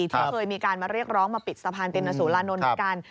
ที่เคยมีการมาเรียกร้องมาปิดสะพานตินสุรานนท์เหมือนกัน